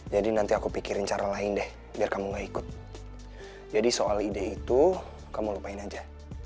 jadi nanti aku pikirin cara lain deh biar kamu nggak ikut jadi soal ide itu kamu lupain aja